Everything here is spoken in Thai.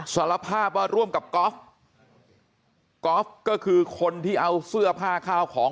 สารภาพว่าร่วมกับกอล์ฟก๊อฟก็คือคนที่เอาเสื้อผ้าข้าวของ